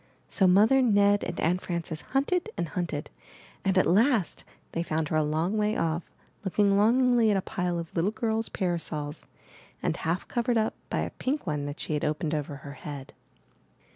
So Mother, Ned, and Aunt Frances hunted and hunted, and at last they found her a long way off, looking longingly at a pile of little girls* parasols, and half covered up by a pink one that she had opened over her head.